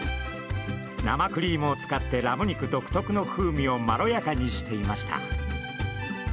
生クリームを使ってラム肉独特の風味をまろやかにしていました。